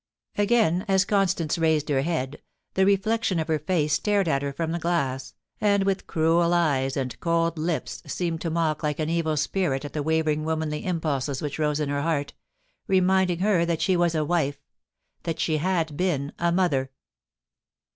Again, as Constance raised her head, the reflection of her face stared at her from the glass, and with cruel eyes and cold lips seemed to mock like an evil spirit at the wavering womanly impulses which rose in her heart, reminding her that she was a wife — that she had been a mother.